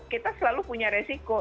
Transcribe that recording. kita selalu punya resiko